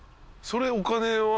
それお金は？